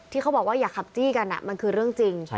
เขาบอกว่าอย่าขับจี้กันมันคือเรื่องจริง